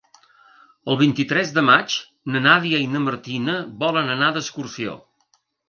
El vint-i-tres de maig na Nàdia i na Martina volen anar d'excursió.